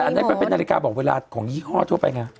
อันนี้มันเป็นนาฬิกาบอกเวลาของยี่ห้อทั่วไปไง